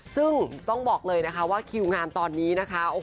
ซึ่งต้องบอกเลยนะคะว่าคิวงานตอนนี้นะคะ